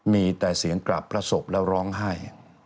มีแต่เสียงกราบพระศพแล้วร้องไห้